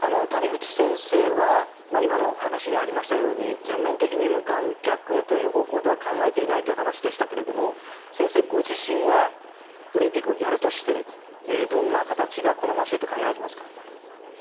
谷口先生は今の話にありましたように全面的に無観客という方向では考えていないというお話でしたけれども先生ご自身はオリンピックをやるとしてどんな形が好ましいと考えていますか？